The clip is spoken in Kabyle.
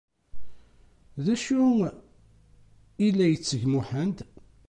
D acu i la yetteg Muḥend?